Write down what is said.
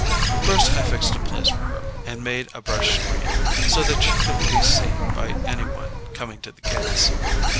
First I fixed a place for her, and made a brush screen, so that she couldn't be seen by anyone coming to the gates.